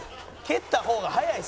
「蹴った方が早い」